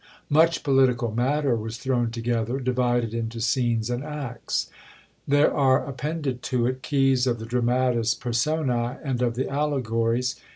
Much political matter was thrown together, divided into scenes and acts. There are appended to it keys of the dramatis personæ and of the allegories.